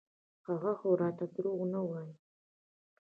هغه خو راته دروغ نه ويل.